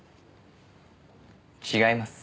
違います。